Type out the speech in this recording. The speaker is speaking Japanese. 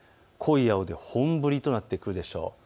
濃い青で本降りとなってくるでしょう。